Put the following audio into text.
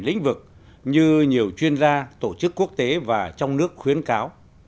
lĩnh vực như nhiều chuyên gia tổ chức quốc tế và trong nước khuyến cáo